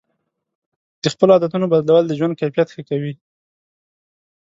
د خپلو عادتونو بدلول د ژوند کیفیت ښه کوي.